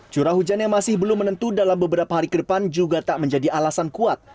curah hujan yang masih belum menentu dalam beberapa hari ke depan juga tak menjadi alasan kuat